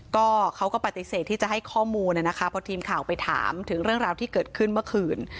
ก็เขาก็ปฏิเสธที่จะให้ข้อมูลนะคะเพราะทีมข่าวไปถามถึงเรื่องราวที่เกิดขึ้นเมื่อคืน